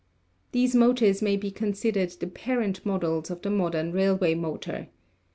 These motors may be considered the parent models of the modern railway motor.